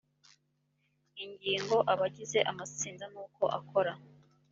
ingingo abagize amatsinda n uko akora